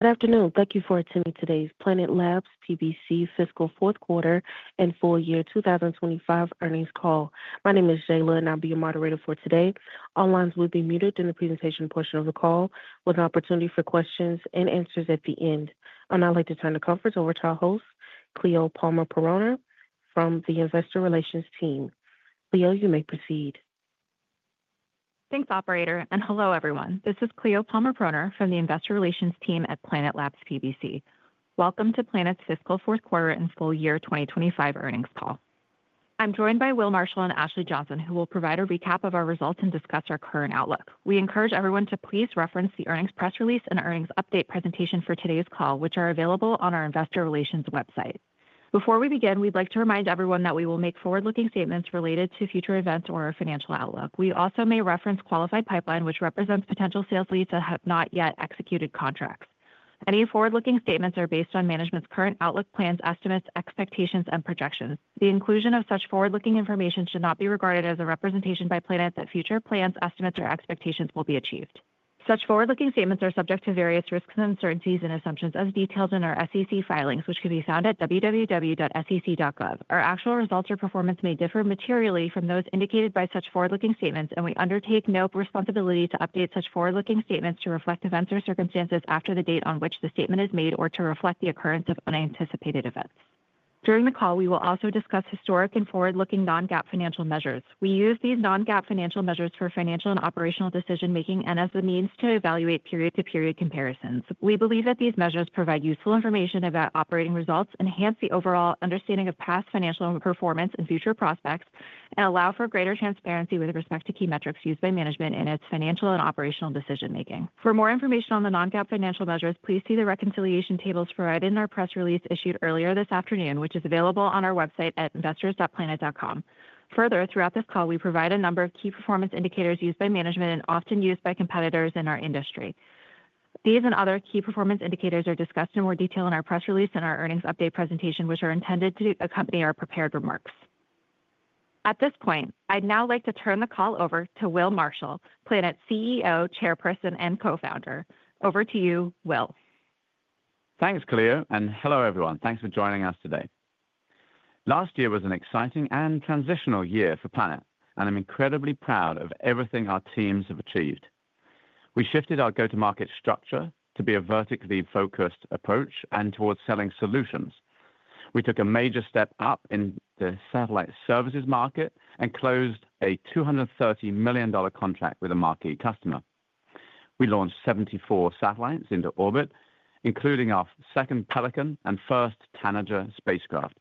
Good afternoon. Thank you for attending today's Planet Labs PBC Fiscal Fourth Quarter and Full Year 2025 Earnings Call. My name is Jayla, and I'll be your moderator for today. All lines will be muted during the presentation portion of the call, with an opportunity for questions and answers at the end. I'd now like to turn the conference over to our host, Cleo Palmer-Poroner, from the Investor Relations Team. Cleo, you may proceed. Thanks, Operator. Hello, everyone. This is Cleo Palmer-Poroner from the Investor Relations Team at Planet Labs PBC. Welcome to Planet's Fiscal Fourth Quarter and Full Year 2025 Earnings Call. I'm joined by Will Marshall and Ashley Johnson, who will provide a recap of our results and discuss our current outlook. We encourage everyone to please reference the earnings press release and earnings update presentation for today's call, which are available on our Investor Relations website. Before we begin, we'd like to remind everyone that we will make forward-looking statements related to future events or our financial outlook. We also may reference qualified pipeline, which represents potential sales leads that have not yet executed contracts. Any forward-looking statements are based on management's current outlook, plans, estimates, expectations, and projections. The inclusion of such forward-looking information should not be regarded as a representation by Planet that future plans, estimates, or expectations will be achieved. Such forward-looking statements are subject to various risks, uncertainties, and assumptions, as detailed in our SEC filings, which can be found at www.sec.gov. Our actual results or performance may differ materially from those indicated by such forward-looking statements, and we undertake no responsibility to update such forward-looking statements to reflect events or circumstances after the date on which the statement is made or to reflect the occurrence of unanticipated events. During the call, we will also discuss historic and forward-looking non-GAAP financial measures. We use these non-GAAP financial measures for financial and operational decision-making and as a means to evaluate period-to-period comparisons. We believe that these measures provide useful information about operating results, enhance the overall understanding of past financial performance and future prospects, and allow for greater transparency with respect to key metrics used by management in its financial and operational decision-making. For more information on the non-GAAP financial measures, please see the reconciliation tables provided in our press release issued earlier this afternoon, which is available o Thanks, Cleo. Hello, everyone. Thanks for joining us today. Last year was an exciting and transitional year for Planet, and I'm incredibly proud of everything our teams have achieved. We shifted our go-to-market structure to be a vertically focused approach and towards selling solutions. We took a major step up in the satellite services market and closed a $230 million contract with a marquee customer. We launched 74 satellites into orbit, including our second Pelican and first Tanager spacecraft.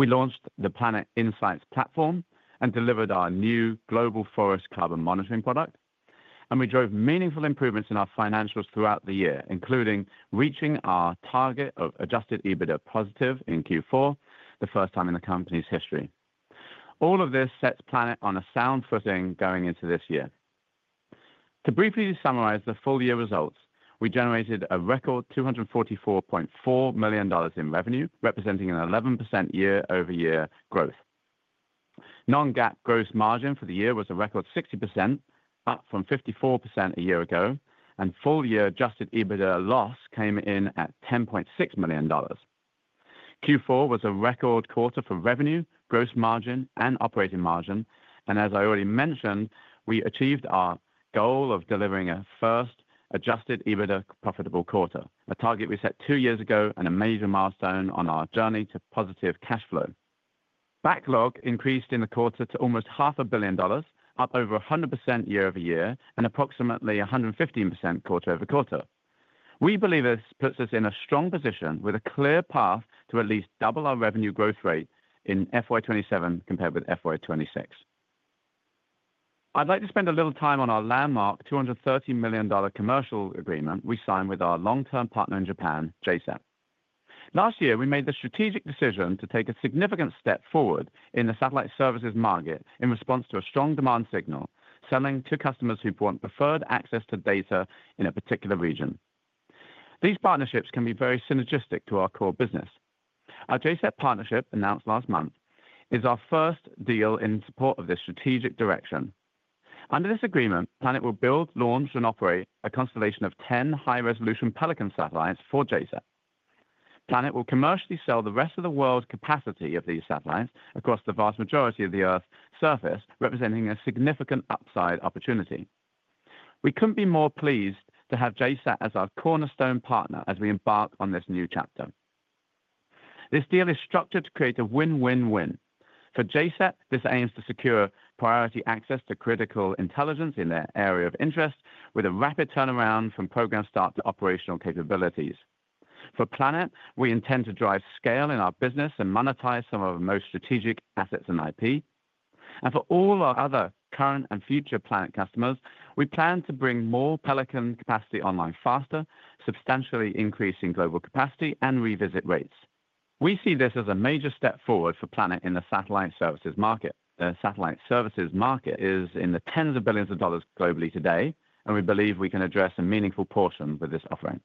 We launched the Planet Insights platform and delivered our new global forest carbon monitoring product. We drove meaningful improvements in our financials throughout the year, including reaching our target of adjusted EBITDA positive in Q4, the first time in the company's history. All of this sets Planet on a sound footing going into this year. To briefly summarize the full year results, we generated a record $244.4 million in revenue, representing an 11% year-over-year growth. Non-GAAP gross margin for the year was a record 60%, up from 54% a year ago, and full-year adjusted EBITDA loss came in at $10.6 million. Q4 was a record quarter for revenue, gross margin, and operating margin. As I already mentioned, we achieved our goal of delivering a first adjusted EBITDA profitable quarter, a target we set two years ago and a major milestone on our journey to positive cash flow. Backlog increased in the quarter to almost half a billion dollars, up over 100% year-over-year and approximately 115% quarter-over-quarter. We believe this puts us in a strong position with a clear path to at least double our revenue growth rate in FY2027 compared with FY2026. I'd like to spend a little time on our landmark $230 million commercial agreement we signed with our long-term partner in Japan, JSAT. Last year, we made the strategic decision to take a significant step forward in the satellite services market in response to a strong demand signal selling to customers who want preferred access to data in a particular region. These partnerships can be very synergistic to our core business. Our JSAT partnership, announced last month, is our first deal in support of this strategic direction. Under this agreement, Planet will build, launch, and operate a constellation of 10 high-resolution Pelican satellites for JSAT. Planet will commercially sell the rest of the world's capacity of these satellites across the vast majority of the Earth's surface, representing a significant upside opportunity. We couldn't be more pleased to have JSAT as our cornerstone partner as we embark on this new chapter. This deal is structured to create a win-win-win. For JSAT, this aims to secure priority access to critical intelligence in their area of interest, with a rapid turnaround from program start to operational capabilities. For Planet, we intend to drive scale in our business and monetize some of our most strategic assets and IP. For all our other current and future Planet customers, we plan to bring more Pelican capacity online faster, substantially increasing global capacity and revisit rates. We see this as a major step forward for Planet in the satellite services market. The satellite services market is in the tens of billions of dollars globally today, and we believe we can address a meaningful portion with this offering.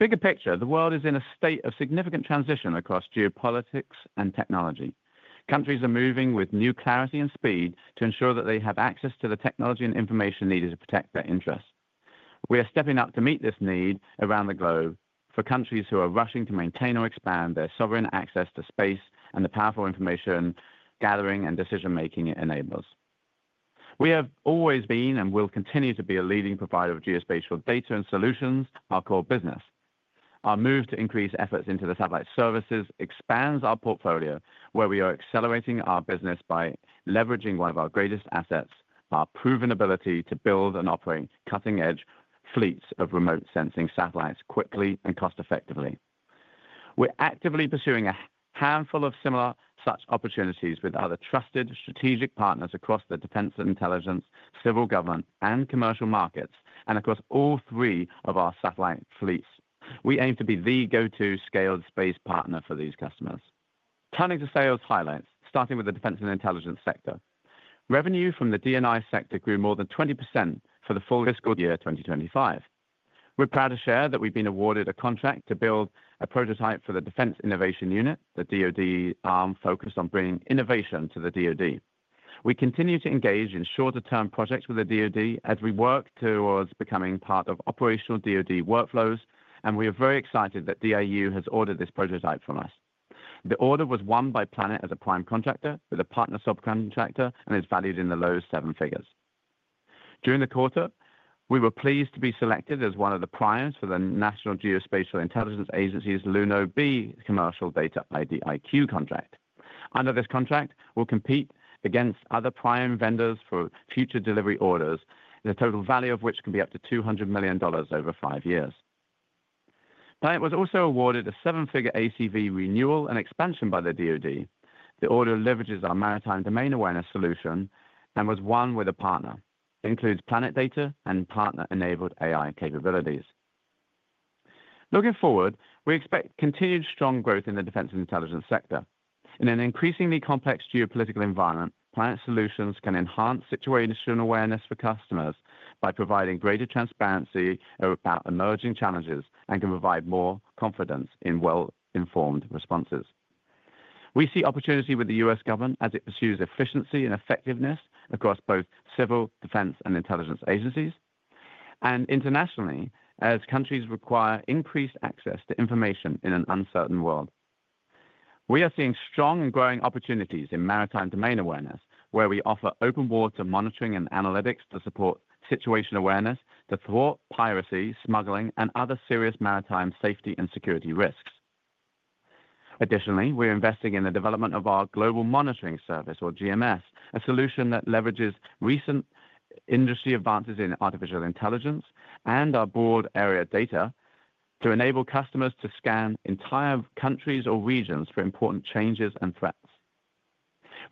Bigger picture, the world is in a state of significant transition across geopolitics and technology. Countries are moving with new clarity and speed to ensure that they have access to the technology and information needed to protect their interests. We are stepping up to meet this need around the globe for countries who are rushing to maintain or expand their sovereign access to space and the powerful information gathering and decision-making it enables. We have always been and will continue to be a leading provider of geospatial data and solutions, our core business. Our move to increase efforts into the satellite services expands our portfolio, where we are accelerating our business by leveraging one of our greatest assets, our proven ability to build and operate cutting-edge fleets of remote sensing satellites quickly and cost-effectively. We're actively pursuing a handful of similar such opportunities with other trusted strategic partners across the defense and intelligence, civil government, and commercial markets, and across all three of our satellite fleets. We aim to be the go-to scaled space partner for these customers. Turning to sales highlights, starting with the defense and intelligence sector. Revenue from the DNI sector grew more than 20% for the full fiscal year 2025. We're proud to share that we've been awarded a contract to build a prototype for the Defense Innovation Unit, the DOD arm focused on bringing innovation to the DOD. We continue to engage in shorter-term projects with the DOD as we work towards becoming part of operational DOD workflows, and we are very excited that DIU has ordered this prototype from us. The order was won by Planet as a prime contractor with a partner subcontractor and is valued in the low seven figures. During the quarter, we were pleased to be selected as one of the primes for the National Geospatial Intelligence Agency's LUNO-B commercial data IDIQ contract. Under this contract, we'll compete against other prime vendors for future delivery orders, the total value of which can be up to $200 million over five years. Planet was also awarded a seven-figure ACV renewal and expansion by the DOD. The order leverages our Maritime Domain Awareness solution and was won with a partner. It includes Planet data and partner-enabled AI capabilities. Looking forward, we expect continued strong growth in the defense and intelligence sector. In an increasingly complex geopolitical environment, Planet Solutions can enhance situational awareness for customers by providing greater transparency about emerging challenges and can provide more confidence in well-informed responses. We see opportunity with the U.S. government as it pursues efficiency and effectiveness across both civil, defense, and intelligence agencies, and internationally as countries require increased access to information in an uncertain world. We are seeing strong and growing opportunities in maritime domain awareness, where we offer open-water monitoring and analytics to support situational awareness to thwart piracy, smuggling, and other serious maritime safety and security risks. Additionally, we're investing in the development of our Global Monitoring Service, or GMS, a solution that leverages recent industry advances in artificial intelligence and our broad area data to enable customers to scan entire countries or regions for important changes and threats.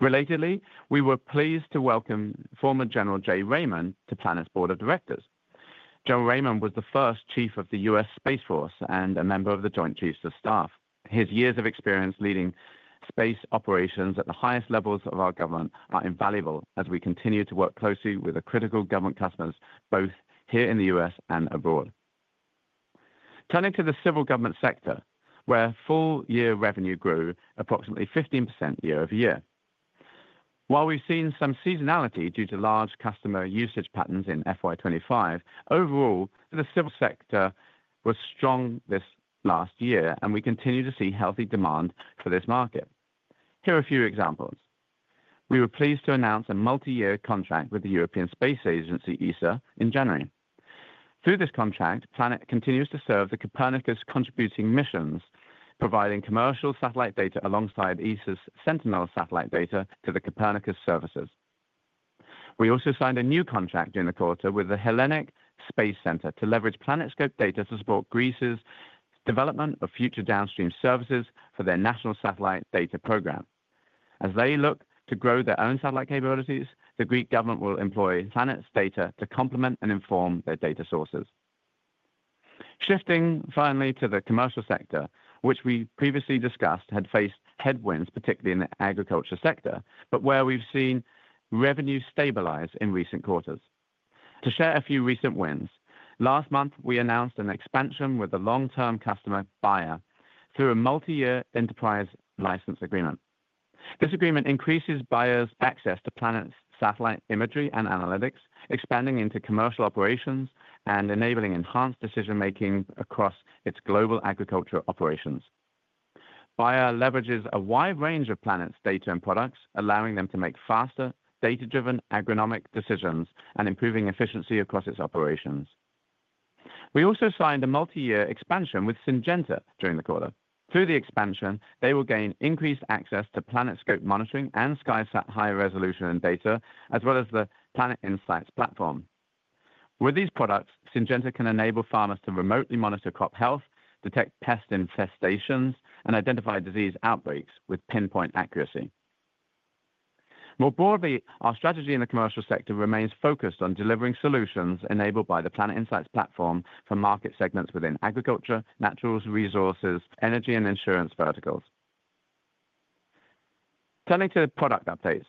Relatedly, we were pleased to welcome Former General Jay Raymond to Planet's Board of Directors. General Raymond was the first Chief of the U.S. Space Force and a member of the Joint Chiefs of Staff. His years of experience leading space operations at the highest levels of our government are invaluable as we continue to work closely with critical government customers both here in the U.S. and abroad. Turning to the civil government sector, where full-year revenue grew approximately 15% year-over-year. While we've seen some seasonality due to large customer usage patterns in FY25, overall, the civil sector was strong this last year, and we continue to see healthy demand for this market. Here are a few examples. We were pleased to announce a multi-year contract with the European Space Agency, ESA, in January. Through this contract, Planet continues to serve the Copernicus contributing missions, providing commercial satellite data alongside ESA's Sentinel satellite data to the Copernicus services. We also signed a new contract during the quarter with the Hellenic Space Center to leverage PlanetScope data to support Greece's development of future downstream services for their national satellite data program. As they look to grow their own satellite capabilities, the Greek government will employ Planet's data to complement and inform their data sources. Shifting finally to the commercial sector, which we previously discussed had faced headwinds, particularly in the agriculture sector, but where we've seen revenue stabilize in recent quarters. To share a few recent wins, last month, we announced an expansion with a long-term customer Bayer through a multi-year enterprise license agreement. This agreement increases Bayer's access to Planet's satellite imagery and analytics, expanding into commercial operations and enabling enhanced decision-making across its global agriculture operations. Bayer leverages a wide range of Planet's data and products, allowing them to make faster, data-driven agronomic decisions and improving efficiency across its operations. We also signed a multi-year expansion with Syngenta during the quarter. Through the expansion, they will gain increased access to PlanetScope monitoring and SkySat high-resolution data, as well as the Planet Insights platform. With these products, Syngenta can enable farmers to remotely monitor crop health, detect pest infestations, and identify disease outbreaks with pinpoint accuracy. More broadly, our strategy in the commercial sector remains focused on delivering solutions enabled by the Planet Insights platform for market segments within agriculture, natural resources, energy, and insurance verticals. Turning to product updates.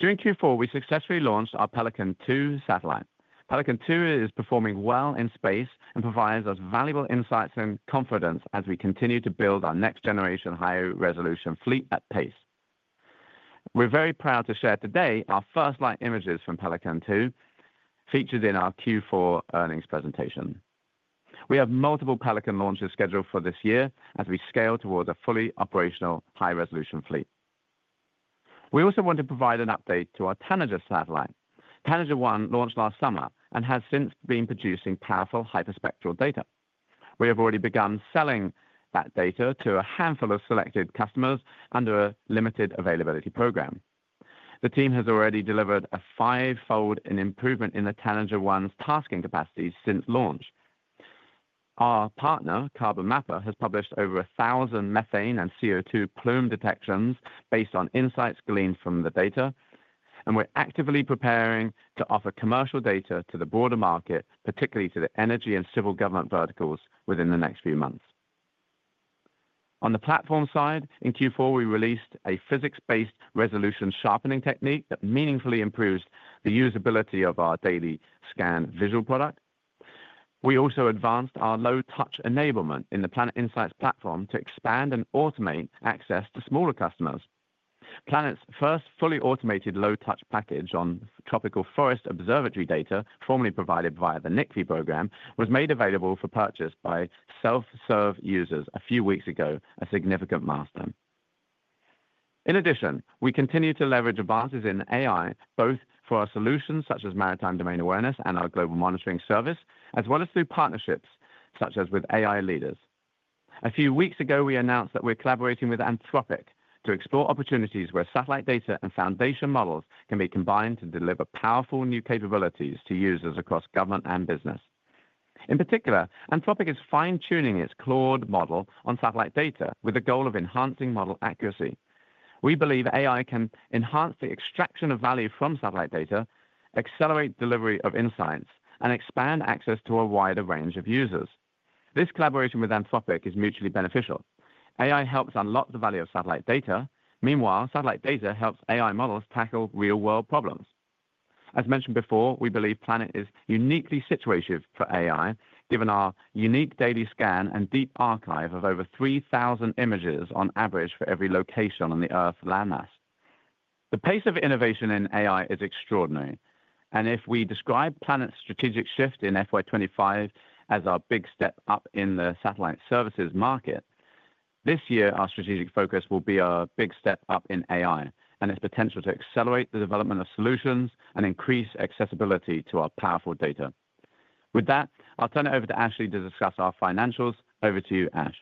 During Q4, we successfully launched our Pelican 2 satellite. Pelican 2 is performing well in space and provides us valuable insights and confidence as we continue to build our next-generation high-resolution fleet at pace. We're very proud to share today our first light images from Pelican 2 featured in our Q4 earnings presentation. We have multiple Pelican launches scheduled for this year as we scale towards a fully operational high-resolution fleet. We also want to provide an update to our Tanager satellite. Tanager 1 launched last summer and has since been producing powerful hyperspectral data. We have already begun selling that data to a handful of selected customers under a limited availability program. The team has already delivered a five-fold improvement in the Tanager 1's tasking capacity since launch. Our partner, CarbonMapper, has published over 1,000 methane and CO2 plume detections based on insights gleaned from the data, and we're actively preparing to offer commercial data to the broader market, particularly to the energy and civil government verticals within the next few months. On the platform side, in Q4, we released a physics-based resolution sharpening technique that meaningfully improves the usability of our daily scan visual product. We also advanced our low-touch enablement in the Planet Insights platform to expand and automate access to smaller customers. Planet's first fully automated low-touch package on tropical forest observatory data, formerly provided via the NICFI program, was made available for purchase by self-serve users a few weeks ago, a significant milestone. In addition, we continue to leverage advances in AI, both for our solutions such as Maritime Domain Awareness and our Global Monitoring Service, as well as through partnerships such as with AI leaders. A few weeks ago, we announced that we're collaborating with Anthropic to explore opportunities where satellite data and foundation models can be combined to deliver powerful new capabilities to users across government and business. In particular, Anthropic is fine-tuning its Claude model on satellite data with the goal of enhancing model accuracy. We believe AI can enhance the extraction of value from satellite data, accelerate delivery of insights, and expand access to a wider range of users. This collaboration with Anthropic is mutually beneficial. AI helps unlock the value of satellite data. Meanwhile, satellite data helps AI models tackle real-world problems. As mentioned before, we believe Planet is uniquely situated for AI, given our unique daily scan and deep archive of over 3,000 images on average for every location on the Earth's landmass. The pace of innovation in AI is extraordinary, and if we describe Planet's strategic shift in FY25 as our big step up in the satellite services market, this year, our strategic focus will be our big step up in AI and its potential to accelerate the development of solutions and increase accessibility to our powerful data. With that, I'll turn it over to Ashley to discuss our financials. Over to you, Ash.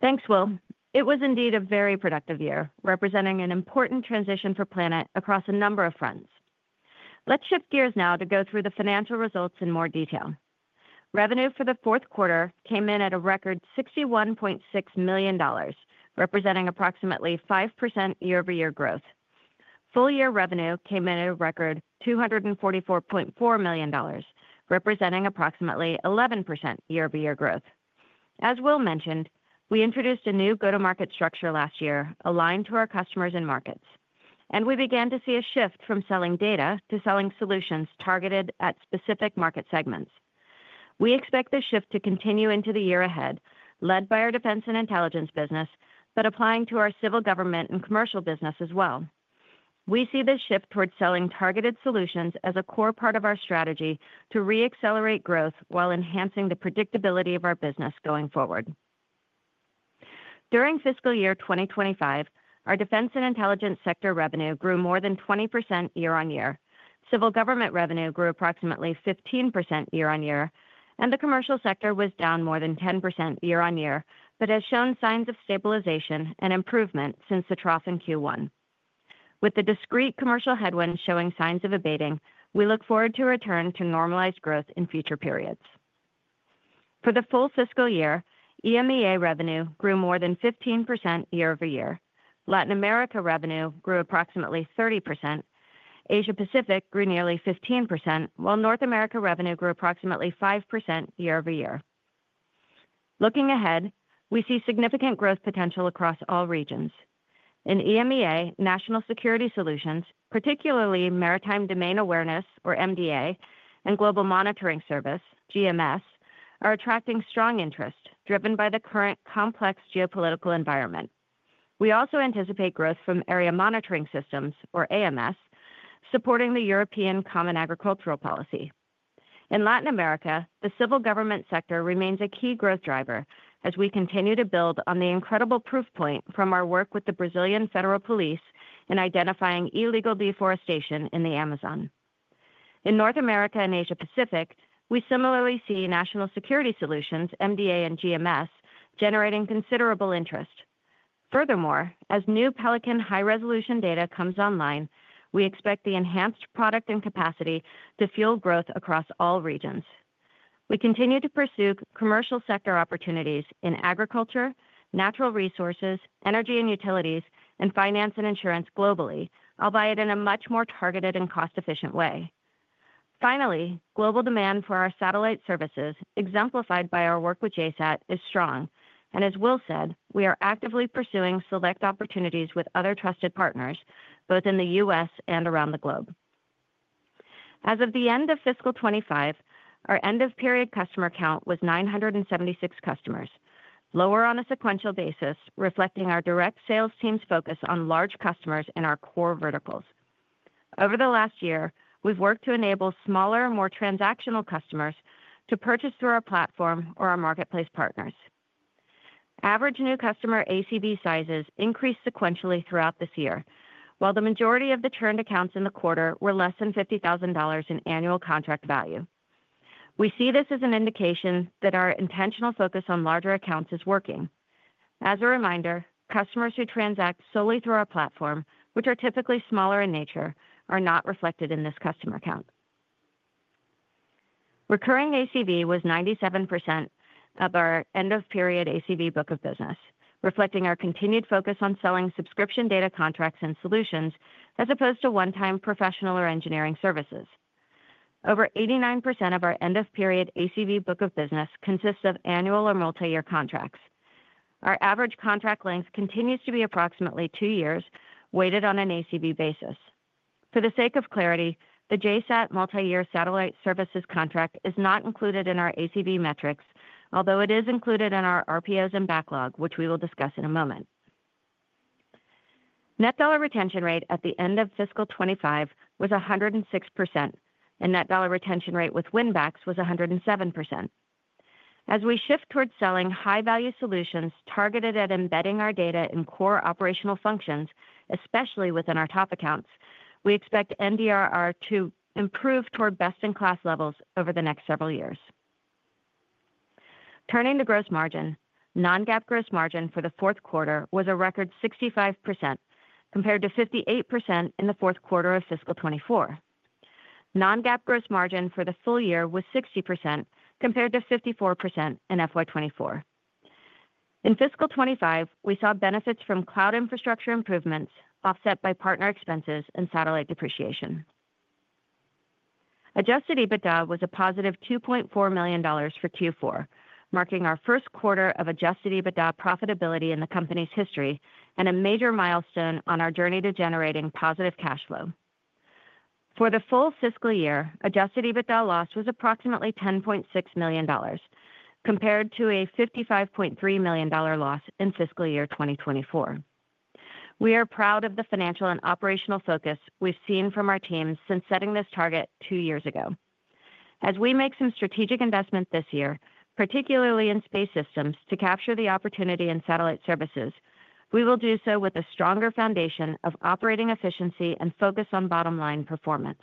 Thanks, Will. It was indeed a very productive year, representing an important transition for Planet across a number of fronts. Let's shift gears now to go through the financial results in more detail. Revenue for the fourth quarter came in at a record $61.6 million, representing approximately 5% year-over-year growth. Full-year revenue came in at a record $244.4 million, representing approximately 11% year-over-year growth. As Will mentioned, we introduced a new go-to-market structure last year aligned to our customers and markets, and we began to see a shift from selling data to selling solutions targeted at specific market segments. We expect this shift to continue into the year ahead, led by our defense and intelligence business, but applying to our civil government and commercial business as well. We see this shift towards selling targeted solutions as a core part of our strategy to re-accelerate growth while enhancing the predictability of our business going forward. During fiscal year 2025, our defense and intelligence sector revenue grew more than 20% year-on-year, civil government revenue grew approximately 15% year-on-year, and the commercial sector was down more than 10% year-on-year, but has shown signs of stabilization and improvement since the trough in Q1. With the discreet commercial headwinds showing signs of abating, we look forward to a return to normalized growth in future periods. For the full fiscal year, EMEA revenue grew more than 15% year-over-year, Latin America revenue grew approximately 30%, Asia-Pacific grew nearly 15%, while North America revenue grew approximately 5% year-over-year. Looking ahead, we see significant growth potential across all regions. In EMEA, National Security Solutions, particularly Maritime Domain Awareness, or MDA, and Global Monitoring Service, GMS, are attracting strong interest driven by the current complex geopolitical environment. We also anticipate growth from Area Monitoring Systems, or AMS, supporting the European Common Agricultural Policy. In Latin America, the civil government sector remains a key growth driver as we continue to build on the incredible proof point from our work with the Brazilian Federal Police in identifying illegal deforestation in the Amazon. In North America and Asia-Pacific, we similarly see National Security Solutions, MDA, and GMS generating considerable interest. Furthermore, as new Pelican high-resolution data comes online, we expect the enhanced product and capacity to fuel growth across all regions. We continue to pursue commercial sector opportunities in agriculture, natural resources, energy and utilities, and finance and insurance globally, albeit in a much more targeted and cost-efficient way. Finally, global demand for our satellite services, exemplified by our work with JSAT, is strong, and as Will said, we are actively pursuing select opportunities with other trusted partners, both in the U.S. and around the globe. As of the end of fiscal 2025, our end-of-period customer count was 976 customers, lower on a sequential basis, reflecting our direct sales team's focus on large customers in our core verticals. Over the last year, we've worked to enable smaller, more transactional customers to purchase through our platform or our marketplace partners. Average new customer ACV sizes increased sequentially throughout this year, while the majority of the churned accounts in the quarter were less than $50,000 in annual contract value. We see this as an indication that our intentional focus on larger accounts is working. As a reminder, customers who transact solely through our platform, which are typically smaller in nature, are not reflected in this customer count. Recurring ACV was 97% of our end-of-period ACV book of business, reflecting our continued focus on selling subscription data contracts and solutions as opposed to one-time professional or engineering services. Over 89% of our end-of-period ACV book of business consists of annual or multi-year contracts. Our average contract length continues to be approximately two years, weighted on an ACV basis. For the sake of clarity, the JSAT multi-year satellite services contract is not included in our ACV metrics, although it is included in our RPOs and backlog, which we will discuss in a moment. Net dollar retention rate at the end of fiscal 2025 was 106%, and net dollar retention rate with WinBacks was 107%. As we shift towards selling high-value solutions targeted at embedding our data in core operational functions, especially within our top accounts, we expect NDRR to improve toward best-in-class levels over the next several years. Turning to gross margin, non-GAAP gross margin for the fourth quarter was a record 65%, compared to 58% in the fourth quarter of fiscal 2024. Non-GAAP gross margin for the full year was 60%, compared to 54% in FY2024. In fiscal 2025, we saw benefits from cloud infrastructure improvements offset by partner expenses and satellite depreciation. Adjusted EBITDA was a positive $2.4 million for Q4, marking our first quarter of adjusted EBITDA profitability in the company's history and a major milestone on our journey to generating positive cash flow. For the full fiscal year, adjusted EBITDA loss was approximately $10.6 million, compared to a $55.3 million loss in fiscal year 2024. We are proud of the financial and operational focus we've seen from our teams since setting this target two years ago. As we make some strategic investments this year, particularly in space systems to capture the opportunity in satellite services, we will do so with a stronger foundation of operating efficiency and focus on bottom-line performance.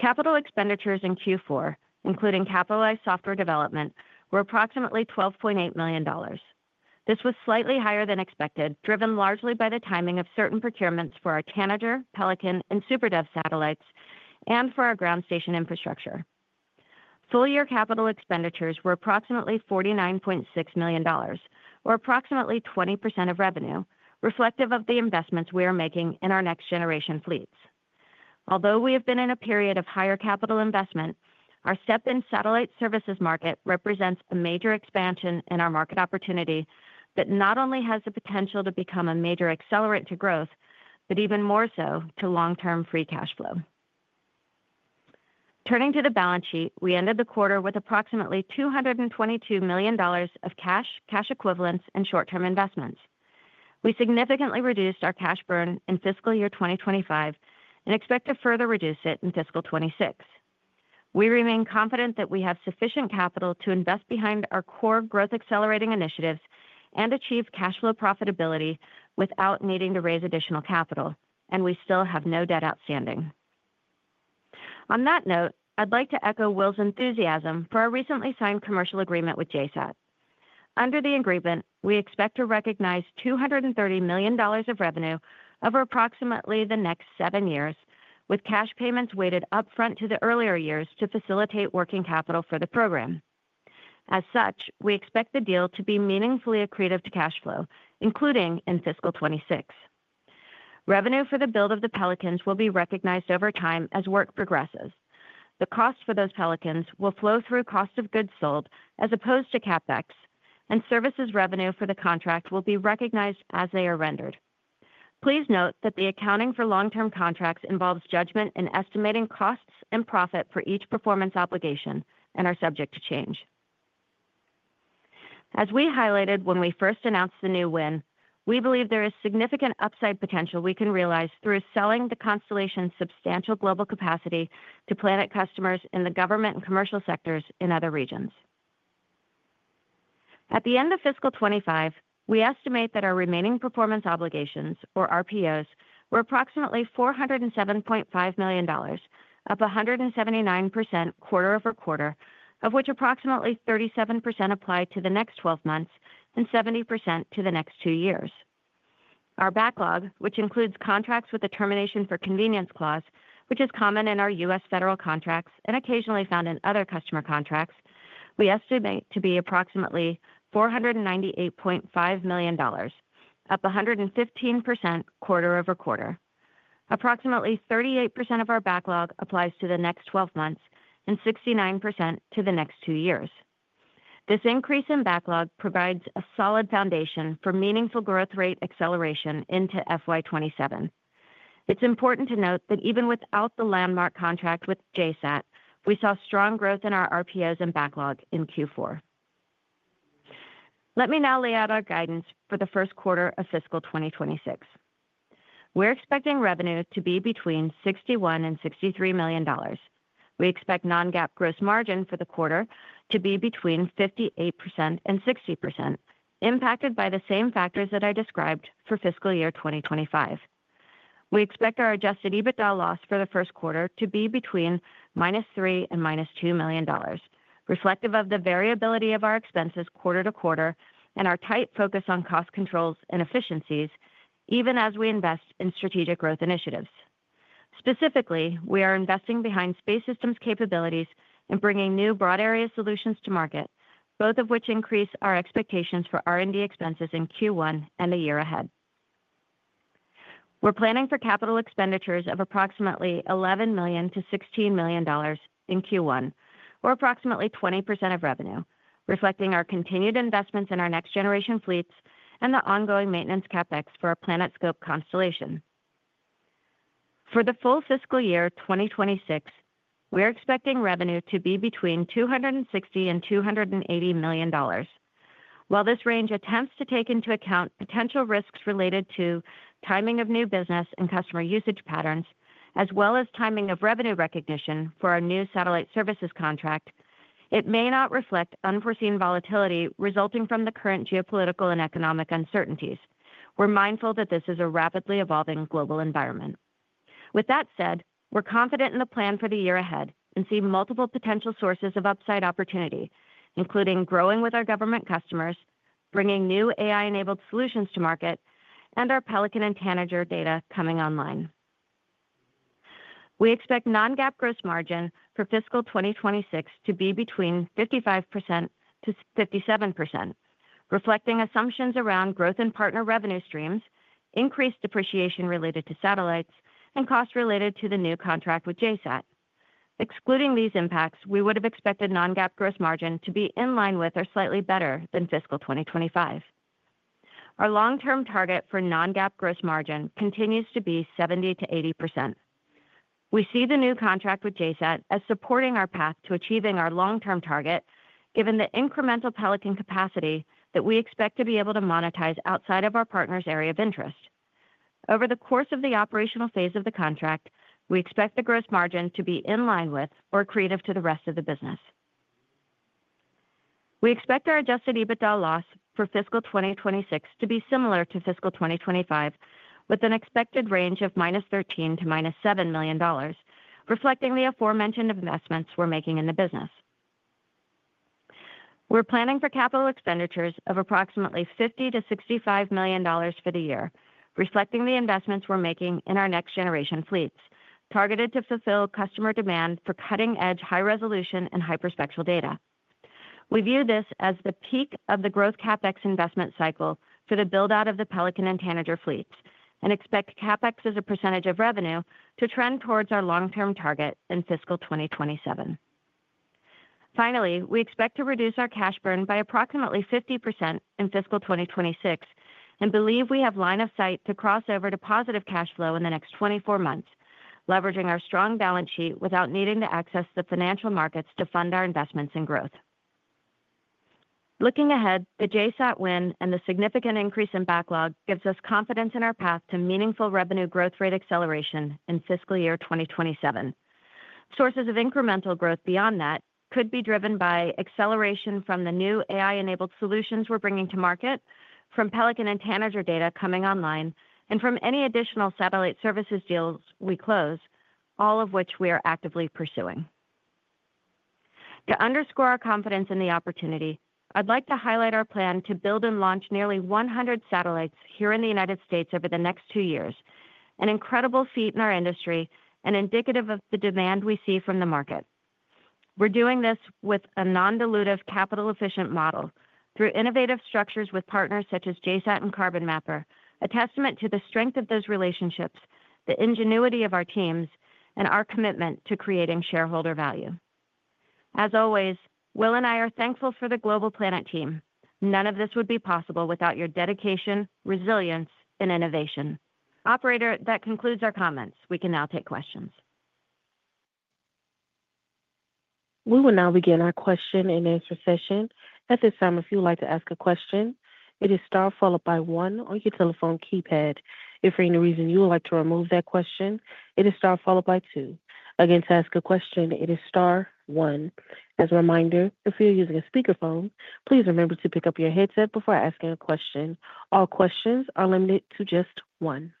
Capital expenditures in Q4, including capitalized software development, were approximately $12.8 million. This was slightly higher than expected, driven largely by the timing of certain procurements for our Tanager, Pelican, and SuperDove satellites, and for our ground station infrastructure. Full-year capital expenditures were approximately $49.6 million, or approximately 20% of revenue, reflective of the investments we are making in our next-generation fleets. Although we have been in a period of higher capital investment, our step in satellite services market represents a major expansion in our market opportunity that not only has the potential to become a major accelerant to growth, but even more so to long-term free cash flow. Turning to the balance sheet, we ended the quarter with approximately $222 million of cash, cash equivalents, and short-term investments. We significantly reduced our cash burn in fiscal year 2025 and expect to further reduce it in fiscal 2026. We remain confident that we have sufficient capital to invest behind our core growth-accelerating initiatives and achieve cash flow profitability without needing to raise additional capital, and we still have no debt outstanding. On that note, I'd like to echo Will's enthusiasm for our recently signed commercial agreement with JSAT. Under the agreement, we expect to recognize $230 million of revenue over approximately the next seven years, with cash payments weighted upfront to the earlier years to facilitate working capital for the program. As such, we expect the deal to be meaningfully accretive to cash flow, including in fiscal 2026. Revenue for the build of the Pelicans will be recognized over time as work progresses. The cost for those Pelicans will flow through cost of goods sold as opposed to CapEx, and services revenue for the contract will be recognized as they are rendered. Please note that the accounting for long-term contracts involves judgment in estimating costs and profit for each performance obligation and are subject to change. As we highlighted when we first announced the new WIN, we believe there is significant upside potential we can realize through selling the constellation's substantial global capacity to Planet customers in the government and commercial sectors in other regions. At the end of fiscal 2025, we estimate that our remaining performance obligations, or RPOs, were approximately $407.5 million, up 179% quarter over quarter, of which approximately 37% applied to the next 12 months and 70% to the next two years. Our backlog, which includes contracts with a termination for convenience clause, which is common in our U.S. federal contracts and occasionally found in other customer contracts, we estimate to be approximately $498.5 million, up 115% quarter over quarter. Approximately 38% of our backlog applies to the next 12 months and 69% to the next two years. This increase in backlog provides a solid foundation for meaningful growth rate acceleration into FY2027. It's important to note that even without the landmark contract with JSAT, we saw strong growth in our RPOs and backlog in Q4. Let me now lay out our guidance for the first quarter of fiscal 2026. We're expecting revenue to be between $61 million and $63 million. We expect non-GAAP gross margin for the quarter to be between 58% and 60%, impacted by the same factors that I described for fiscal year 2025. We expect our adjusted EBITDA loss for the first quarter to be between minus $3 million and minus $2 million, reflective of the variability of our expenses quarter to quarter and our tight focus on cost controls and efficiencies, even as we invest in strategic growth initiatives. Specifically, we are investing behind space systems capabilities and bringing new broad-area solutions to market, both of which increase our expectations for R&D expenses in Q1 and the year ahead. We're planning for capital expenditures of approximately $11 million-$16 million in Q1, or approximately 20% of revenue, reflecting our continued investments in our next-generation fleets and the ongoing maintenance CapEx for our PlanetScope constellation. For the full fiscal year 2026, we're expecting revenue to be between $260 million and $280 million. While this range attempts to take into account potential risks related to timing of new business and customer usage patterns, as well as timing of revenue recognition for our new satellite services contract, it may not reflect unforeseen volatility resulting from the current geopolitical and economic uncertainties. We're mindful that this is a rapidly evolving global environment. With that said, we're confident in the plan for the year ahead and see multiple potential sources of upside opportunity, including growing with our government customers, bringing new AI-enabled solutions to market, and our Pelican and Tanager data coming online. We expect non-GAAP gross margin for fiscal 2026 to be between 55%-57%, reflecting assumptions around growth in partner revenue streams, increased depreciation related to satellites, and costs related to the new contract with JSAT. Excluding these impacts, we would have expected non-GAAP gross margin to be in line with or slightly better than fiscal 2025. Our long-term target for non-GAAP gross margin continues to be 70%-80%. We see the new contract with JSAT as supporting our path to achieving our long-term target, given the incremental Pelican capacity that we expect to be able to monetize outside of our partner's area of interest. Over the course of the operational phase of the contract, we expect the gross margin to be in line with or accretive to the rest of the business. We expect our adjusted EBITDA loss for fiscal 2026 to be similar to fiscal 2025, with an expected range of minus $13 million to minus $7 million, reflecting the aforementioned investments we're making in the business. We're planning for capital expenditures of approximately $50-$65 million for the year, reflecting the investments we're making in our next-generation fleets, targeted to fulfill customer demand for cutting-edge high-resolution and hyperspectral data. We view this as the peak of the growth CapEx investment cycle for the build-out of the Pelican and Tanager fleets and expect CapEx as a percentage of revenue to trend towards our long-term target in fiscal 2027. Finally, we expect to reduce our cash burn by approximately 50% in fiscal 2026 and believe we have line of sight to cross over to positive cash flow in the next 24 months, leveraging our strong balance sheet without needing to access the financial markets to fund our investments in growth. Looking ahead, the JSAT WIN and the significant increase in backlog gives us confidence in our path to meaningful revenue growth rate acceleration in fiscal year 2027. Sources of incremental growth beyond that could be driven by acceleration from the new AI-enabled solutions we're bringing to market, from Pelican and Tanager data coming online, and from any additional satellite services deals we close, all of which we are actively pursuing. To underscore our confidence in the opportunity, I'd like to highlight our plan to build and launch nearly 100 satellites here in the United States over the next two years, an incredible feat in our industry and indicative of the demand we see from the market. We're doing this with a non-dilutive capital-efficient model through innovative structures with partners such as JSAT and Carbon Mapper, a testament to the strength of those relationships, the ingenuity of our teams, and our commitment to creating shareholder value. As always, Will and I are thankful for the Global Planet team. None of this would be possible without your dedication, resilience, and innovation. Operator, that concludes our comments. We can now take questions. We will now begin our question and answer session. At this time, if you'd like to ask a question, it is star followed by one on your telephone keypad. If for any reason you would like to remove that question, it is star followed by two. Again, to ask a question, it is star one. As a reminder, if you're using a speakerphone, please remember to pick up your headset before asking a question. All questions are limited to just one.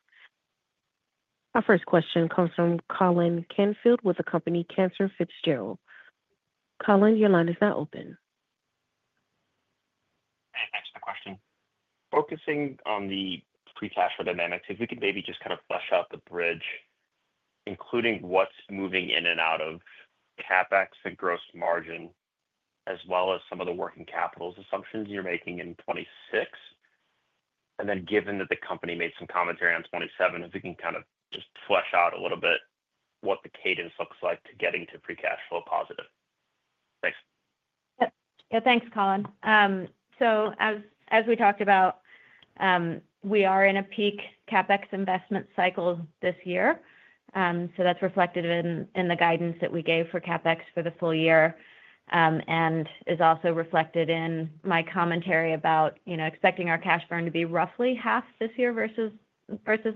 Our first question comes from Colin Canfield with the company Cantor Fitzgerald. Colin, your line is now open. Hey, thanks for the question. Focusing on the pre-cash flow dynamics, if we could maybe just kind of flesh out the bridge, including what's moving in and out of CapEx and gross margin, as well as some of the working capital assumptions you're making in 2026. Given that the company made some commentary on 2027, if we can kind of just flesh out a little bit what the cadence looks like to getting to pre-cash flow positive. Thanks. Yeah, thanks, Colin. As we talked about, we are in a peak CapEx investment cycle this year. That is reflected in the guidance that we gave for CapEx for the full year and is also reflected in my commentary about expecting our cash burn to be roughly half this year versus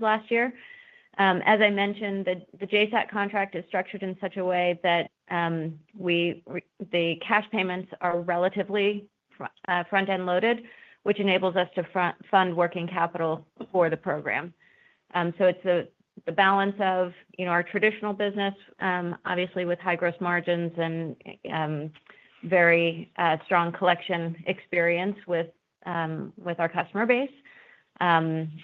last year. As I mentioned, the JSAT contract is structured in such a way that the cash payments are relatively front-end loaded, which enables us to fund working capital for the program. It is the balance of our traditional business, obviously with high gross margins and very strong collection experience with our customer base,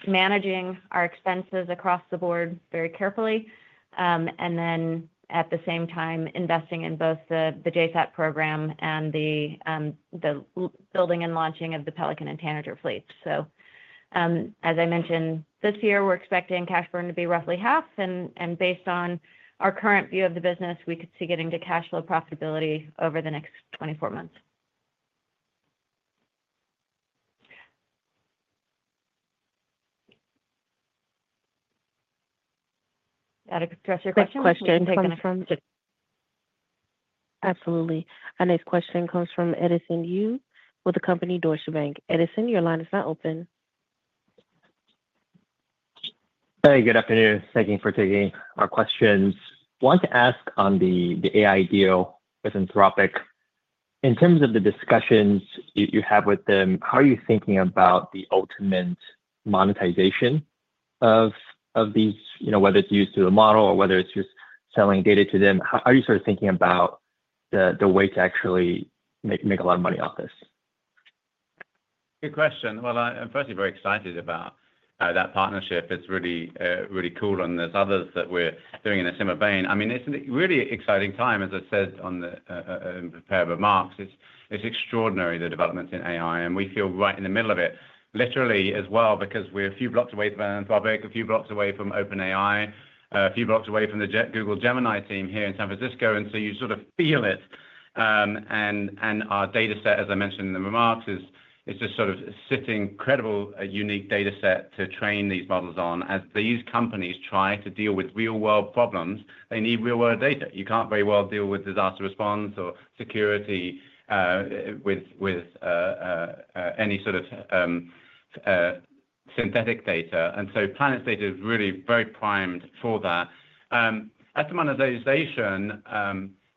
managing our expenses across the board very carefully, and then at the same time, investing in both the JSAT program and the building and launching of the Pelican and Tanager fleets. As I mentioned, this year, we're expecting cash burn to be roughly half. Based on our current view of the business, we could see getting to cash flow profitability over the next 24 months. Did I address your question? Quick question comes from. Absolutely. Our next question comes from Edison Yu with the company Deutsche Bank. Edison, your line is now open. Hey, good afternoon. Thank you for taking our questions. I wanted to ask on the AI deal with Anthropic. In terms of the discussions you have with them, how are you thinking about the ultimate monetization of these, whether it's used through the model or whether it's just selling data to them? How are you sort of thinking about the way to actually make a lot of money off this? Good question. I am firstly very excited about that partnership. It's really cool. There are others that we're doing in a similar vein. I mean, it's a really exciting time, as I said in a pair of remarks. It's extraordinary, the developments in AI. We feel right in the middle of it, literally, as well, because we're a few blocks away from Anthropic, a few blocks away from OpenAI, a few blocks away from the Google Gemini team here in San Francisco. You sort of feel it. Our data set, as I mentioned in the remarks, is just sort of sitting, incredible, unique data set to train these models on. As these companies try to deal with real-world problems, they need real-world data. You can't very well deal with disaster response or security with any sort of synthetic data. Planet data is really very primed for that. As to monetization,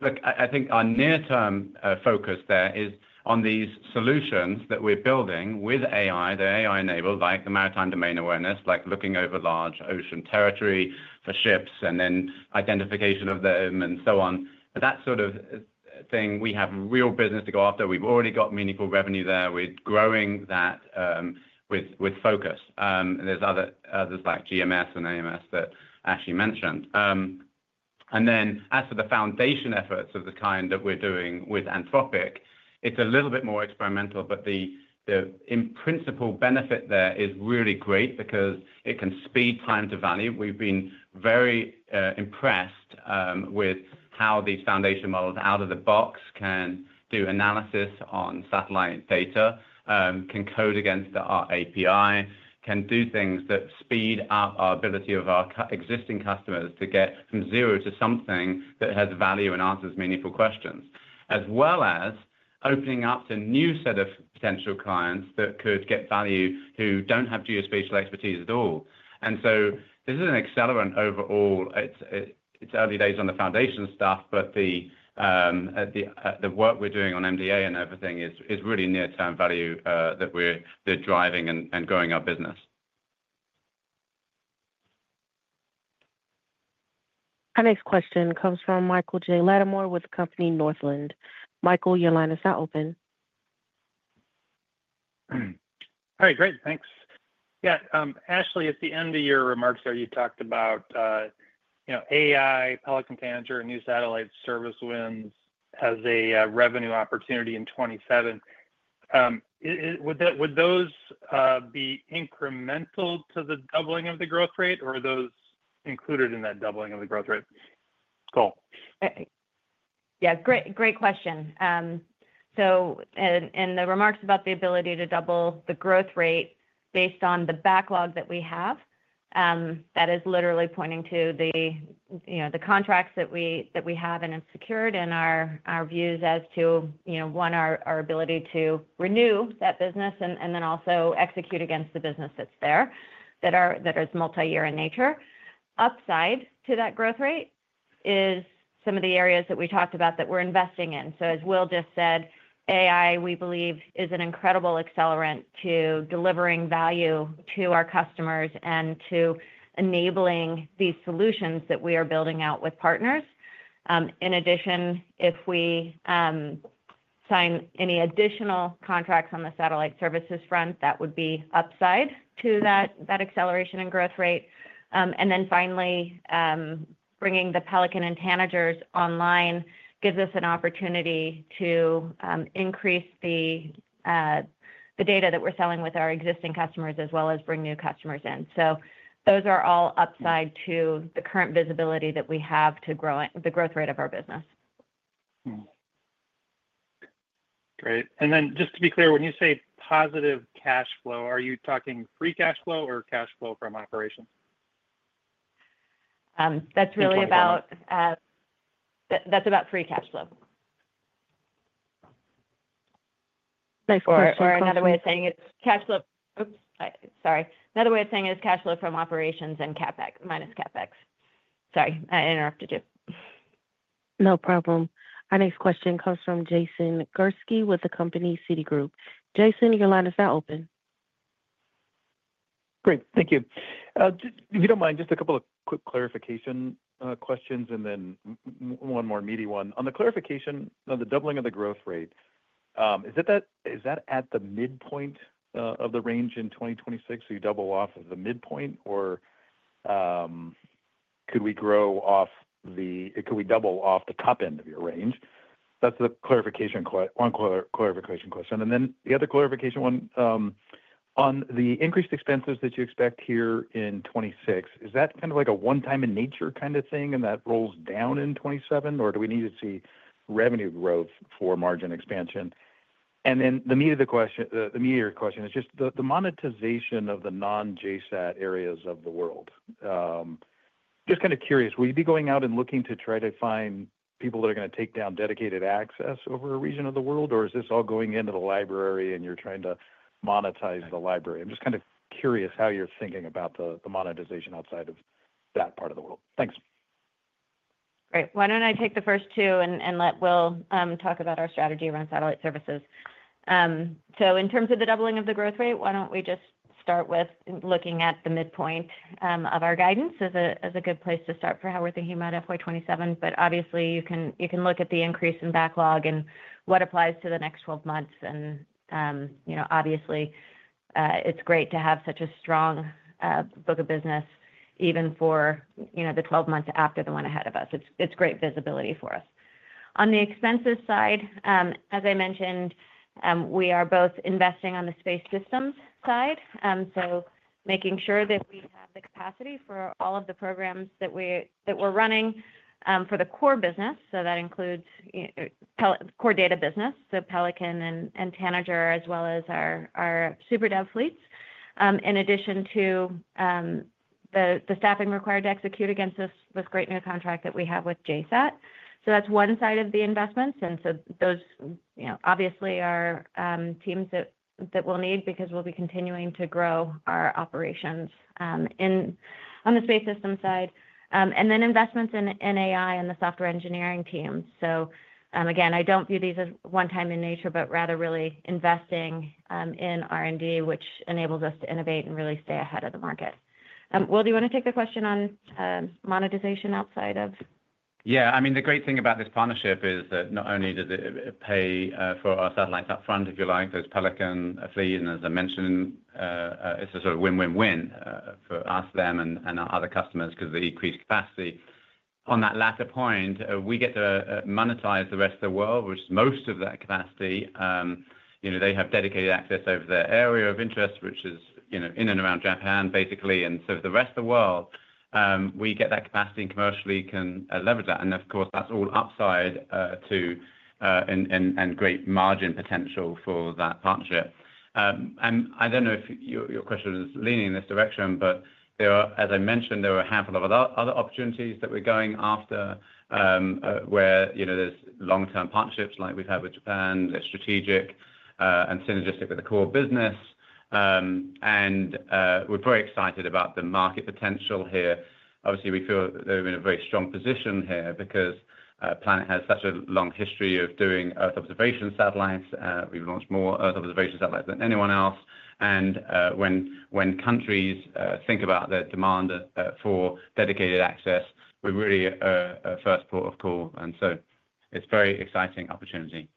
look, I think our near-term focus there is on these solutions that we're building with AI, the AI-enabled, like the Maritime Domain Awareness, like looking over large ocean territory for ships and then identification of them and so on. That sort of thing, we have real business to go after. We've already got meaningful revenue there. We're growing that with focus. There's others like GMS and AMS that Ashley mentioned. As for the foundation efforts of the kind that we're doing with Anthropic, it's a little bit more experimental, but the in-principle benefit there is really great because it can speed time to value. We've been very impressed with how these foundation models out of the box can do analysis on satellite data, can code against our API, can do things that speed up our ability of our existing customers to get from zero to something that has value and answers meaningful questions, as well as opening up to a new set of potential clients that could get value who don't have geospatial expertise at all. This is an accelerant overall. It's early days on the foundation stuff, but the work we're doing on MDA and everything is really near-term value that we're driving and growing our business. Our next question comes from Michael J. Latimore with the company Northland. Michael, your line is now open. All right. Great. Thanks. Yeah. Ashley, at the end of your remarks there, you talked about AI, Pelican, Tanager, new satellite service wins as a revenue opportunity in 2027. Would those be incremental to the doubling of the growth rate, or are those included in that doubling of the growth rate goal? Yeah. Great question. In the remarks about the ability to double the growth rate based on the backlog that we have, that is literally pointing to the contracts that we have and have secured and our views as to, one, our ability to renew that business and then also execute against the business that's there that is multi-year in nature. Upside to that growth rate is some of the areas that we talked about that we're investing in. As Will just said, AI, we believe, is an incredible accelerant to delivering value to our customers and to enabling these solutions that we are building out with partners. In addition, if we sign any additional contracts on the satellite services front, that would be upside to that acceleration and growth rate. Finally, bringing the Pelican and Tanagers online gives us an opportunity to increase the data that we're selling with our existing customers as well as bring new customers in. Those are all upside to the current visibility that we have to grow the growth rate of our business. Great. Just to be clear, when you say positive cash flow, are you talking free cash flow or cash flow from operations? That's really about free cash flow. Another way of saying it is cash flow. Oops. Sorry. Another way of saying it is cash flow from operations and CapEx, minus CapEx. Sorry. I interrupted you. No problem. Our next question comes from Jason Gursky with the company Citigroup. Jason, your line is now open. Great. Thank you. If you do not mind, just a couple of quick clarification questions and then one more meaty one. On the clarification of the doubling of the growth rate, is that at the midpoint of the range in 2026? Do you double off of the midpoint, or could we double off the top end of your range? That is the clarification question. The other clarification one on the increased expenses that you expect here in 2026, is that kind of like a one-time-in-nature kind of thing and that rolls down in 2027, or do we need to see revenue growth for margin expansion? The meat of the question, the meat of your question, is just the monetization of the non-JSAT areas of the world. Just kind of curious, will you be going out and looking to try to find people that are going to take down dedicated access over a region of the world, or is this all going into the library and you're trying to monetize the library? I'm just kind of curious how you're thinking about the monetization outside of that part of the world. Thanks. Great. Why don't I take the first two and let Will talk about our strategy around satellite services? In terms of the doubling of the growth rate, why don't we just start with looking at the midpoint of our guidance as a good place to start for how we're thinking about FY2027? Obviously, you can look at the increase in backlog and what applies to the next 12 months. Obviously, it's great to have such a strong book of business even for the 12 months after the one ahead of us. It's great visibility for us. On the expenses side, as I mentioned, we are both investing on the space systems side, making sure that we have the capacity for all of the programs that we're running for the core business. That includes core data business, Pelican and Tanager, as well as our SuperDove fleets, in addition to the staffing required to execute against this great new contract that we have with JSAT. That's one side of the investments. Those obviously are teams that we'll need because we'll be continuing to grow our operations on the space system side. Investments in AI and the software engineering team. I do not view these as one-time-in-nature, but rather really investing in R&D, which enables us to innovate and really stay ahead of the market. Will, do you want to take the question on monetization outside of? Yeah. I mean, the great thing about this partnership is that not only does it pay for our satellites upfront, if you like, those Pelican fleets, and as I mentioned, it is a sort of win-win-win for us, them, and our other customers because of the increased capacity. On that latter point, we get to monetize the rest of the world, which is most of that capacity. They have dedicated access over their area of interest, which is in and around Japan, basically. The rest of the world, we get that capacity and commercially can leverage that. Of course, that's all upside too and great margin potential for that partnership. I don't know if your question is leaning in this direction, but as I mentioned, there are a handful of other opportunities that we're going after where there's long-term partnerships like we've had with Japan, that's strategic and synergistic with the core business. We are very excited about the market potential here. Obviously, we feel that we're in a very strong position here because Planet has such a long history of doing Earth observation satellites. We've launched more Earth observation satellites than anyone else. When countries think about their demand for dedicated access, we're really a first port of call. It is a very exciting opportunity.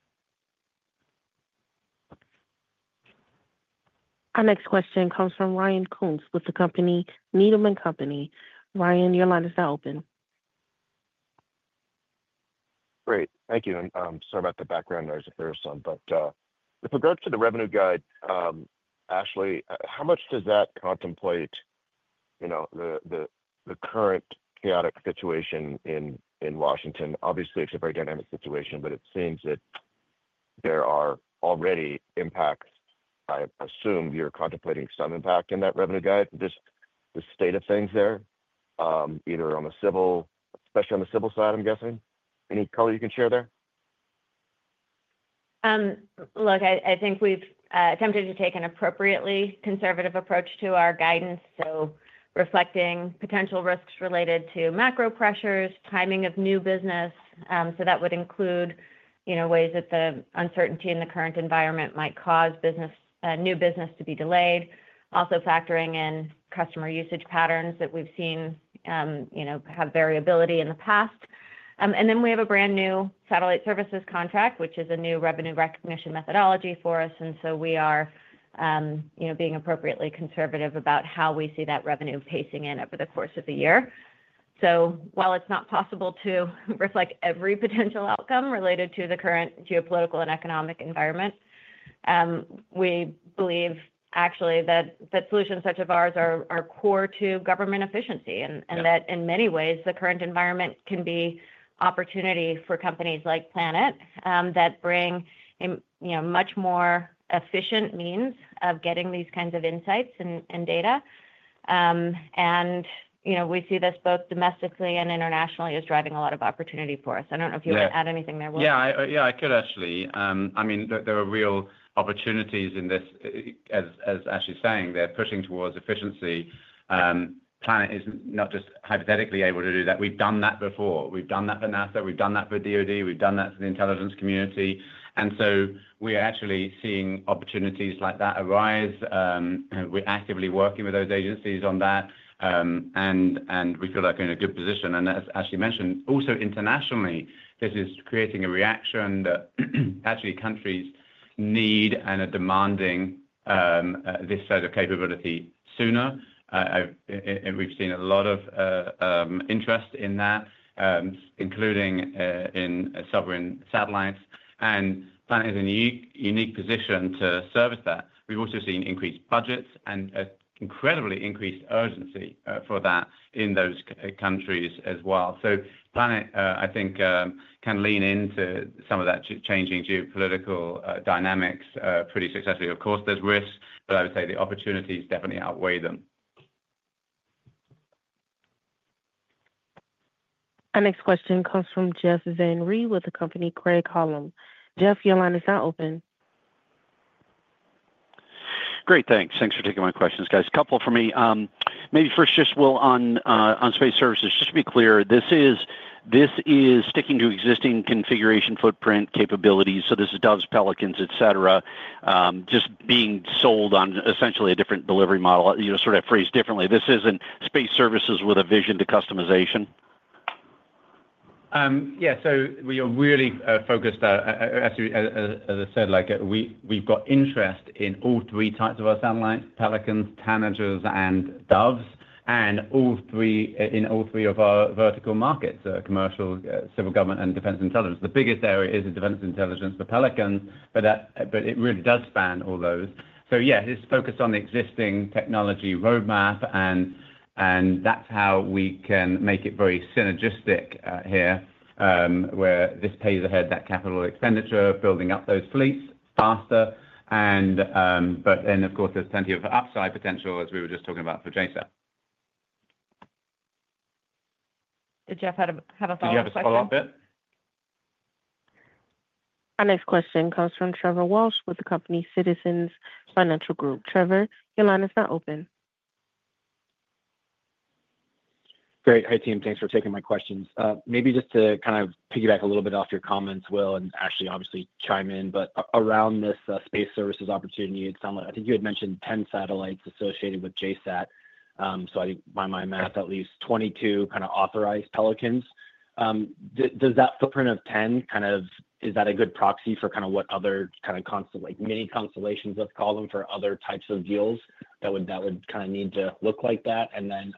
Our next question comes from Ryan Koontz with the company Needham & Company. Ryan, your line is now open. Great. Thank you. Sorry about the background noise if there is some. With regards to the revenue guide, Ashley, how much does that contemplate the current chaotic situation in Washington? Obviously, it's a very dynamic situation, but it seems that there are already impacts. I assume you're contemplating some impact in that revenue guide, just the state of things there, either on the civil, especially on the civil side, I'm guessing. Any color you can share there? Look, I think we've attempted to take an appropriately conservative approach to our guidance, so reflecting potential risks related to macro pressures, timing of new business. That would include ways that the uncertainty in the current environment might cause new business to be delayed, also factoring in customer usage patterns that we've seen have variability in the past. We have a brand new satellite services contract, which is a new revenue recognition methodology for us. We are being appropriately conservative about how we see that revenue pacing in over the course of the year. While it is not possible to reflect every potential outcome related to the current geopolitical and economic environment, we believe, actually, that solutions such as ours are core to government efficiency and that, in many ways, the current environment can be opportunity for companies like Planet that bring much more efficient means of getting these kinds of insights and data. We see this both domestically and internationally as driving a lot of opportunity for us. I do not know if you want to add anything there, Will. Yeah. Yeah, I could, Ashley. I mean, there are real opportunities in this, as Ashley is saying. They are pushing towards efficiency. Planet is not just hypothetically able to do that. We've done that before. We've done that for NASA. We've done that for DOD. We've done that for the intelligence community. We are actually seeing opportunities like that arise. We're actively working with those agencies on that, and we feel like we're in a good position. As Ashley mentioned, also internationally, this is creating a reaction that actually countries need and are demanding this sort of capability sooner. We've seen a lot of interest in that, including in sovereign satellites. Planet is in a unique position to service that. We've also seen increased budgets and an incredibly increased urgency for that in those countries as well. Planet, I think, can lean into some of that changing geopolitical dynamics pretty successfully. Of course, there's risks, but I would say the opportunities definitely outweigh them. Our next question comes from Jeff Zanry with the company Craig Holland. Jeff, your line is now open. Great. Thanks. Thanks for taking my questions, guys. A couple for me. Maybe first just, Will, on space services. Just to be clear, this is sticking to existing configuration footprint capabilities. So this is Doves, Pelicans, etc., just being sold on essentially a different delivery model. Sort of phrased differently, this isn't space services with a vision to customization. Yeah. We are really focused, as I said, we've got interest in all three types of our satellites: Pelicans, Tanagers, and Doves, and in all three of our vertical markets: commercial, civil government, and defense intelligence. The biggest area is defense intelligence for Pelicans, but it really does span all those. Yeah, it's focused on the existing technology roadmap, and that's how we can make it very synergistic here, where this pays ahead that capital expenditure, building up those fleets faster. Of course, there's plenty of upside potential, as we were just talking about, for JSAT. Did Jeff have a follow-up question? Did you have a follow-up bit? Our next question comes from Trevor Walsh with the company Citizens Financial Group. Trevor, your line is now open. Great. Hi, team. Thanks for taking my questions. Maybe just to kind of piggyback a little bit off your comments, Will and Ashley, obviously, chime in, but around this space services opportunity, it sounds like I think you had mentioned 10 satellites associated with JSAT. I think by my math, at least 22 kind of authorized Pelicans. Does that footprint of 10, kind of is that a good proxy for kind of what other kind of constant, like mini constellations, let's call them, for other types of deals that would kind of need to look like that?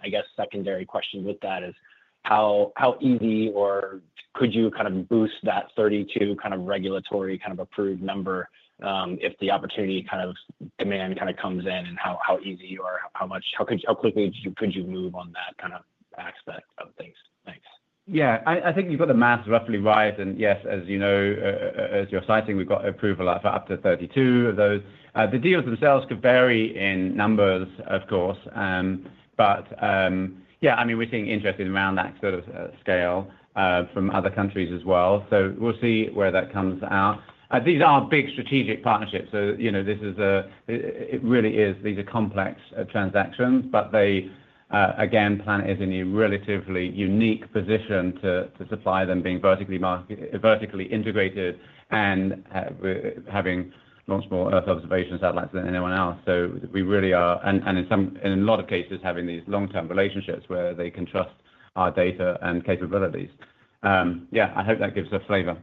I guess secondary question with that is how easy or could you kind of boost that 32 kind of regulatory kind of approved number if the opportunity kind of demand kind of comes in, and how easy or how quickly could you move on that kind of aspect of things? Thanks. Yeah. I think you've got the math roughly right. And yes, as you're citing, we've got approval for up to 32 of those. The deals themselves could vary in numbers, of course. Yeah, I mean, we're seeing interest around that sort of scale from other countries as well. We'll see where that comes out. These are big strategic partnerships. This is a it really is. These are complex transactions, but again, Planet is in a relatively unique position to supply them being vertically integrated and having launched more Earth observation satellites than anyone else. We really are, and in a lot of cases, having these long-term relationships where they can trust our data and capabilities. Yeah. I hope that gives a flavor.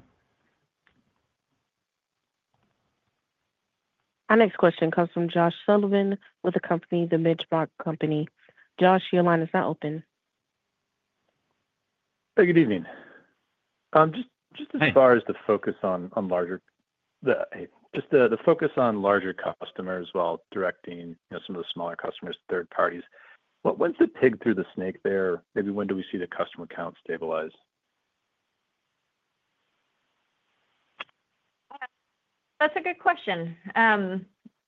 Our next question comes from Josh Sullivan with the company The Benchmark Company. Josh, your line is now open. Hey, good evening. Just as far as the focus on larger just the focus on larger customers while directing some of the smaller customers, third parties, when's the pig through the snake there? Maybe when do we see the customer count stabilize? That's a good question.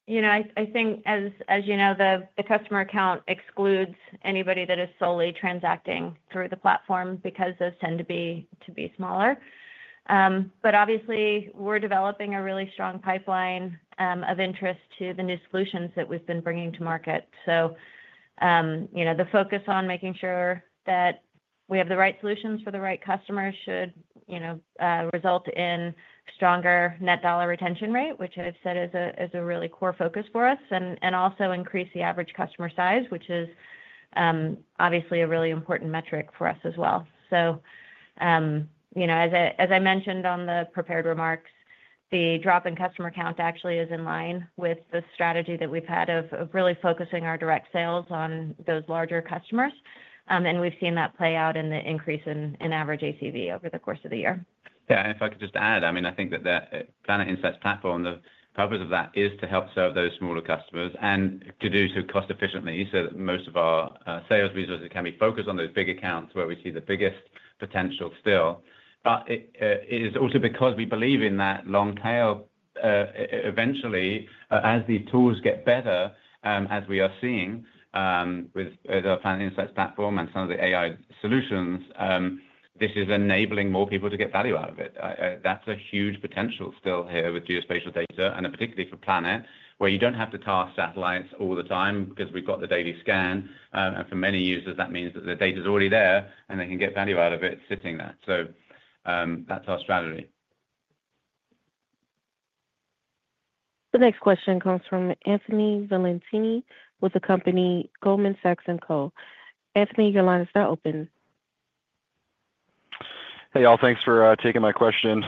I think, as you know, the customer account excludes anybody that is solely transacting through the platform because those tend to be smaller. Obviously, we're developing a really strong pipeline of interest to the new solutions that we've been bringing to market. The focus on making sure that we have the right solutions for the right customers should result in stronger net dollar retention rate, which I've said is a really core focus for us, and also increase the average customer size, which is obviously a really important metric for us as well. As I mentioned on the prepared remarks, the drop in customer count actually is in line with the strategy that we've had of really focusing our direct sales on those larger customers. We've seen that play out in the increase in average ACV over the course of the year. Yeah. If I could just add, I mean, I think that the Planet Insights platform, the purpose of that is to help serve those smaller customers and to do so cost-efficiently so that most of our sales resources can be focused on those big accounts where we see the biggest potential still. It is also because we believe in that long tail. Eventually, as these tools get better, as we are seeing with our Planet Insights platform and some of the AI solutions, this is enabling more people to get value out of it. That's a huge potential still here with geospatial data, and particularly for Planet, where you do not have to toss satellites all the time because we have got the daily scan. For many users, that means that the data is already there, and they can get value out of it sitting there. That is our strategy. The next question comes from Anthony Valentini with the company Goldman Sachs & Co. Anthony, your line is now open. Hey, all. Thanks for taking my question.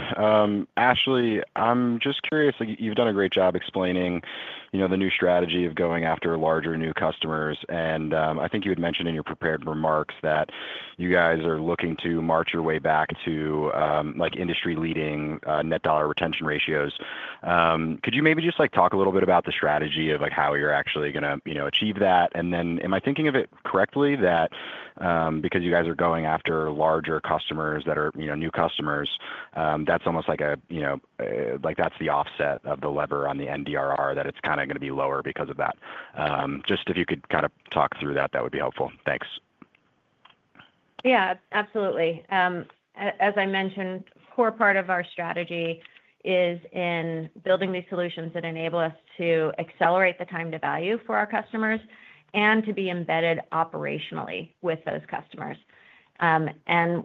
Ashley, I'm just curious. You've done a great job explaining the new strategy of going after larger new customers. I think you had mentioned in your prepared remarks that you guys are looking to march your way back to industry-leading net dollar retention ratios. Could you maybe just talk a little bit about the strategy of how you're actually going to achieve that? Am I thinking of it correctly that because you guys are going after larger customers that are new customers, that's almost like a that's the offset of the lever on the NDRR that it's kind of going to be lower because of that? If you could kind of talk through that, that would be helpful. Thanks. Yeah. Absolutely. As I mentioned, a core part of our strategy is in building these solutions that enable us to accelerate the time to value for our customers and to be embedded operationally with those customers.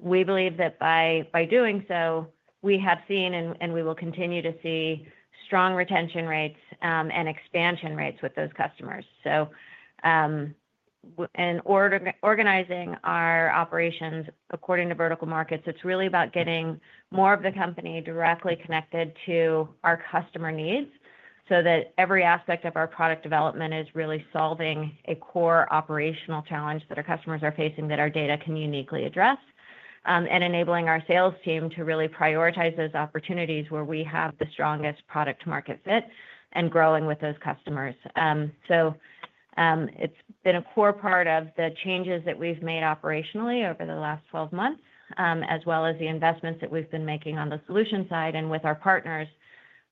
We believe that by doing so, we have seen and we will continue to see strong retention rates and expansion rates with those customers. In organizing our operations according to vertical markets, it's really about getting more of the company directly connected to our customer needs so that every aspect of our product development is really solving a core operational challenge that our customers are facing that our data can uniquely address and enabling our sales team to really prioritize those opportunities where we have the strongest product-to-market fit and growing with those customers. It's been a core part of the changes that we've made operationally over the last 12 months, as well as the investments that we've been making on the solution side and with our partners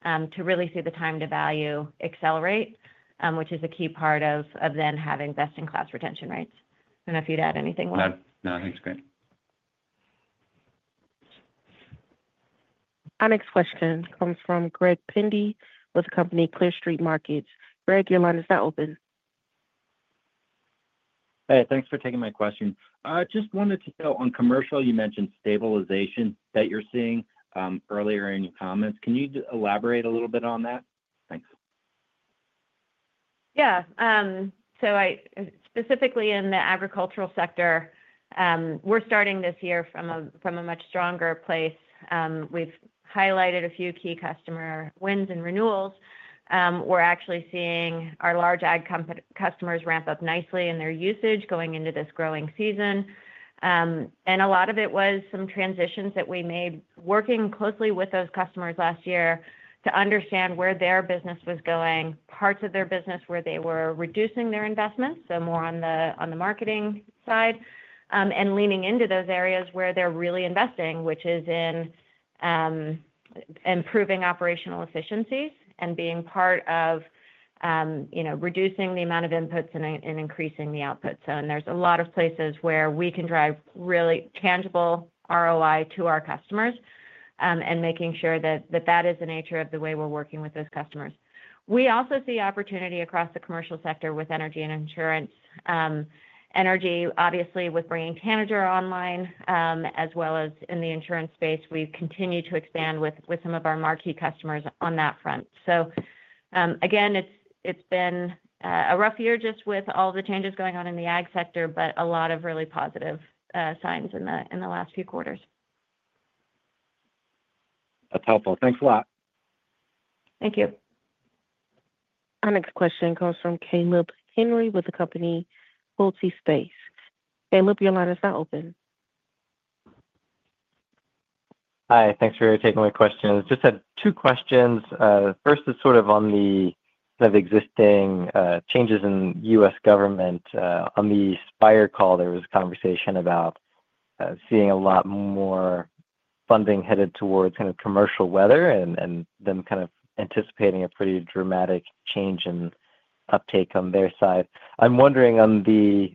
to really see the time to value accelerate, which is a key part of then having best-in-class retention rates. I don't know if you'd add anything, Will. No. I think it's great. Our next question comes from Greg Pendy with the company Clear Street Markets. Greg, your line is now open. Hey, thanks for taking my question. Just wanted to know, on commercial, you mentioned stabilization that you're seeing earlier in your comments. Can you elaborate a little bit on that? Thanks. Yeah. Specifically in the agricultural sector, we're starting this year from a much stronger place. We've highlighted a few key customer wins and renewals. We're actually seeing our large ag customers ramp up nicely in their usage going into this growing season. A lot of it was some transitions that we made working closely with those customers last year to understand where their business was going, parts of their business where they were reducing their investments, so more on the marketing side, and leaning into those areas where they're really investing, which is in improving operational efficiencies and being part of reducing the amount of inputs and increasing the output. There's a lot of places where we can drive really tangible ROI to our customers and making sure that that is the nature of the way we're working with those customers. We also see opportunity across the commercial sector with energy and insurance. Energy, obviously, with bringing Tanager online, as well as in the insurance space, we've continued to expand with some of our marquee customers on that front. It's been a rough year just with all the changes going on in the ag sector, but a lot of really positive signs in the last few quarters. That's helpful. Thanks a lot. Thank you. Our next question comes from Caleb Henry with the company Quilty Space. Caleb, your line is now open. Hi. Thanks for taking my question. Just had two questions. First is sort of on the sort of existing changes in U.S. government. On the Spire call, there was a conversation about seeing a lot more funding headed towards kind of commercial weather and them kind of anticipating a pretty dramatic change in uptake on their side. I'm wondering on the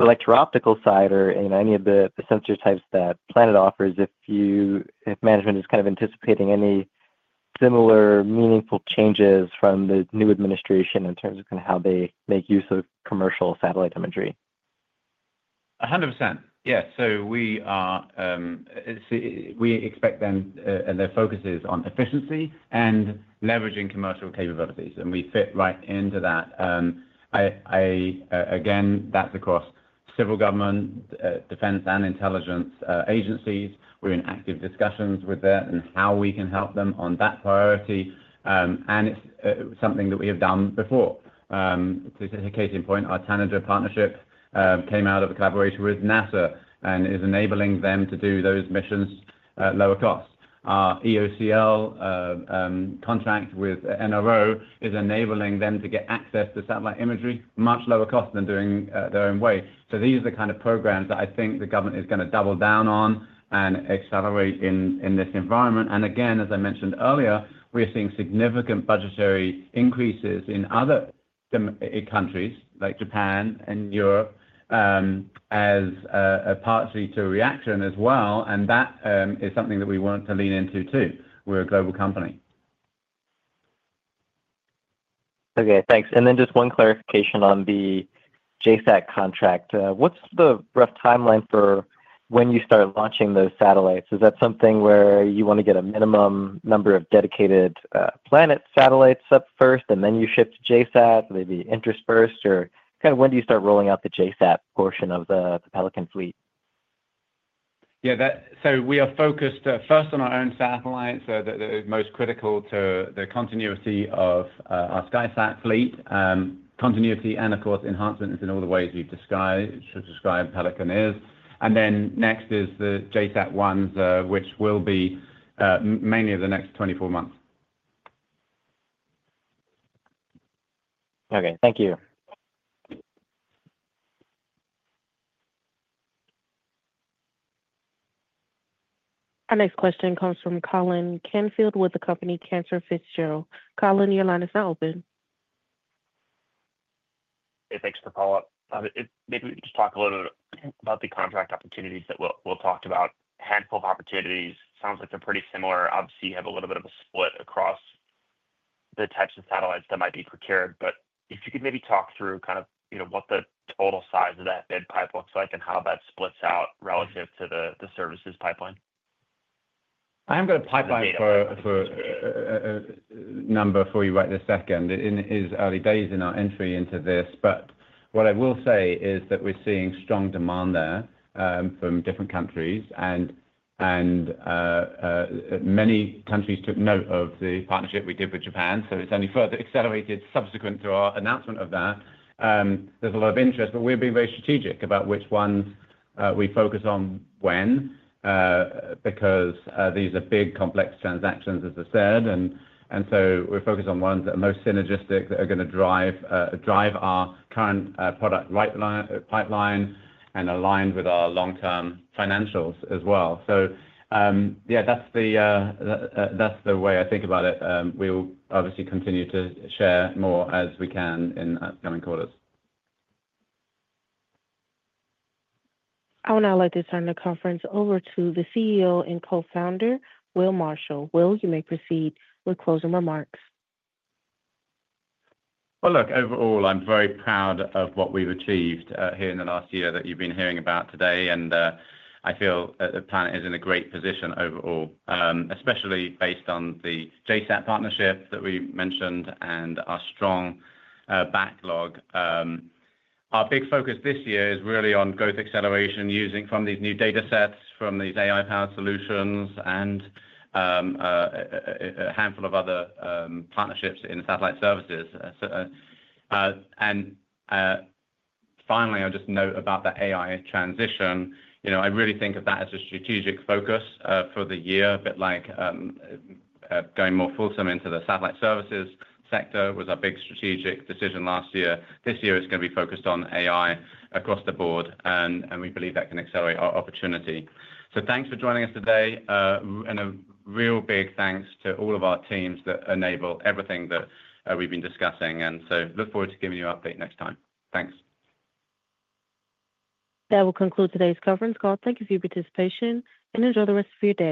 electro-optical side or any of the sensor types that Planet offers, if management is kind of anticipating any similar meaningful changes from the new administration in terms of kind of how they make use of commercial satellite imagery? 100%. Yes. We expect their focus is on efficiency and leveraging commercial capabilities. We fit right into that. Again, that's across civil government, defense and intelligence agencies. We're in active discussions with them and how we can help them on that priority. It's something that we have done before. To take a case in point, our Tanager partnership came out of a collaboration with NASA and is enabling them to do those missions at lower cost. Our EOCL contract with NRO is enabling them to get access to satellite imagery at much lower cost than doing it their own way. These are the kind of programs that I think the government is going to double down on and accelerate in this environment. Again, as I mentioned earlier, we are seeing significant budgetary increases in other countries like Japan and Europe as a party to a reaction as well. That is something that we want to lean into too. We're a global company. Okay. Thanks. One clarification on the JSAT contract. What's the rough timeline for when you start launching those satellites? Is that something where you want to get a minimum number of dedicated Planet satellites up first, and then you shift to JSAT? Will they be interspersed? Kind of when do you start rolling out the JSAT portion of the Pelican fleet? Yeah. We are focused first on our own satellites, the most critical to the continuity of our SkySat fleet, continuity and, of course, enhancements in all the ways we've described Pelican is. Next is the JSAT ones, which will be mainly the next 24 months. Okay. Thank you. Our next question comes from Colin Canfield with the company Cantor Fitzgerald. Colin, your line is now open. Hey, thanks for the follow-up. Maybe we could just talk a little bit about the contract opportunities that we'll talk about. Handful of opportunities. Sounds like they're pretty similar. Obviously, you have a little bit of a split across the types of satellites that might be procured. If you could maybe talk through kind of what the total size of that bid pipe looks like and how that splits out relative to the services pipeline. I'm going to pipe out for a number for you right this second. It is early days in our entry into this. What I will say is that we're seeing strong demand there from different countries. Many countries took note of the partnership we did with Japan. It has only further accelerated subsequent to our announcement of that. There's a lot of interest. We have been very strategic about which ones we focus on when because these are big, complex transactions, as I said. We are focused on ones that are most synergistic that are going to drive our current product pipeline and aligned with our long-term financials as well. Yeah, that's the way I think about it. We will obviously continue to share more as we can in upcoming quarters. I will now let this round of conference over to the CEO and Co-founder, Will Marshall. Will, you may proceed with closing remarks. Look, overall, I'm very proud of what we've achieved here in the last year that you've been hearing about today. I feel that Planet is in a great position overall, especially based on the JSAT partnership that we mentioned and our strong backlog. Our big focus this year is really on growth acceleration from these new data sets, from these AI-powered solutions, and a handful of other partnerships in satellite services. Finally, I'll just note about the AI transition. I really think of that as a strategic focus for the year, a bit like going more fulsome into the satellite services sector was our big strategic decision last year. This year, it's going to be focused on AI across the board. We believe that can accelerate our opportunity. Thanks for joining us today. A real big thanks to all of our teams that enable everything that we've been discussing. I look forward to giving you an update next time. Thanks. That will conclude today's conference call. Thank you for your participation. Enjoy the rest of your day.